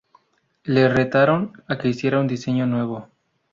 Le retaron a que hiciera un diseño nuevo.